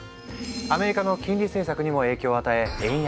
アメリカの金利政策にも影響を与え円安に。